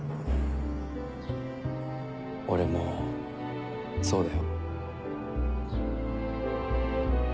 俺もそうだよ。